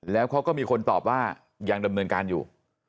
แล้วเขาก็มีคนตอบว่ายังดำเนินการอยู่